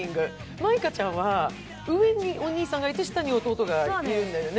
舞香ちゃんは上にお兄さんがいて、下に弟がいるんだよね？